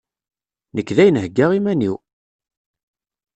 Nekk dayen heggaɣ iman-iw!